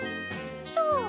そう。